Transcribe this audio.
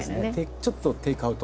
「ちょっとテイクアウト」。